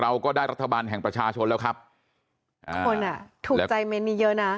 เราก็ได้รัฐบาลแห่งประชาชนแล้วครับอ่าคนอ่ะถูกใจเมนต์นี้เยอะนะ